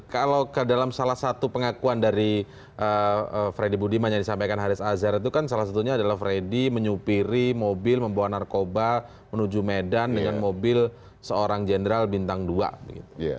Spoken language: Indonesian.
kalau ke dalam salah satu pengakuan dari freddy budiman yang disampaikan haris azhar itu kan salah satunya adalah freddy menyupiri mobil membawa narkoba menuju medan dengan mobil seorang jenderal bintang dua begitu